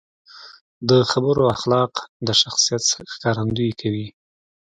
د خبرو اخلاق د شخصیت ښکارندويي کوي.